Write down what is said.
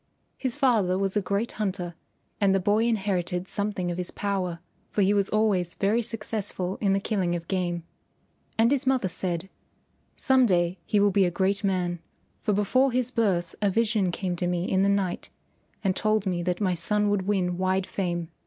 His father was a great hunter and the boy inherited something of his power, for he was always very successful in the killing of game. And his mother said, "Some day he will be a great man, for before his birth a vision came to me in the night and told me that my son would win wide fame.